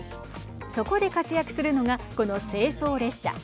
そこで活躍するのがこの清掃列車。